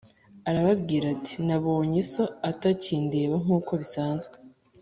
Arababwira ati Nabonye so atakindeba nk’uko bisanzwe